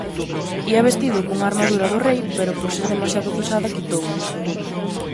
Ía vestido cunha armadura do rei pero por ser demasiado pesada quitouna.